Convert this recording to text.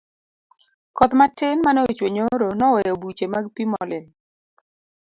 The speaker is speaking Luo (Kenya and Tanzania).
koth matin mane ochwe nyoro noweyo buche mag pi molil